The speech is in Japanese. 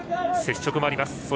接触もあります。